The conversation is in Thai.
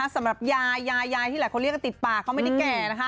สำหรับญาติที่หลายคนเรียกว่าติดปากเขาไม่ได้แก่